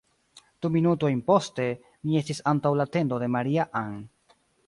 Du minutojn poste, mi estis antaŭ la tendo de Maria-Ann.